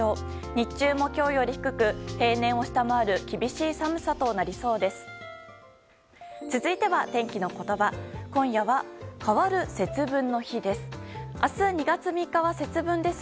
日中も今日より低く平年を下回る厳しい寒さとなりそうです。